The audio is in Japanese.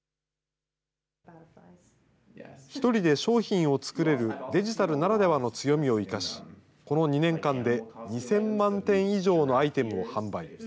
１人で商品を作れるデジタルならではの強みを生かし、この２年間で、２０００万点以上のアイテムを販売。